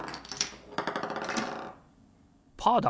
パーだ！